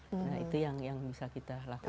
nah itu yang bisa kita lakukan